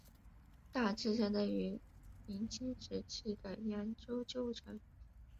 大致相当于明清时期的扬州旧城。